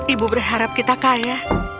ibu berharap kita kaya